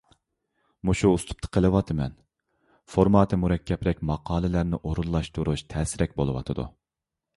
مۇشۇ ئۇسلۇبتا قىلىۋاتىمەن. فورماتى مۇرەككەپرەك ماقالىلەرنى ئورۇنلاشتۇرۇش تەسرەك بولۇۋاتىدۇ.